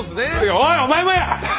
おいお前もや！